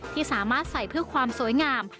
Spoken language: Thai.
ที่สามารถใส่เพื่อความสวยงาม